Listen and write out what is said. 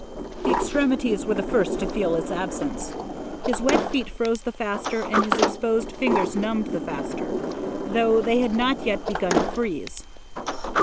The extremities were the first to feel its absence. His wet feet froze the faster, and his exposed fingers numbed the faster, though they had not yet begun to freeze.